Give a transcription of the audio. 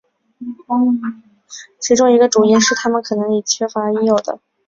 其中一个主因是它们可能已缺乏了应有的。